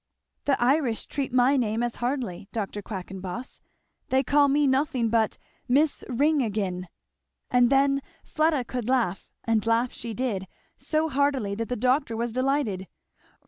"The Irish treat my name as hardly, Dr. Quackenboss they call me nothing but Miss Ring again." And then Fleda could laugh, and laugh she did, so heartily that the doctor was delighted.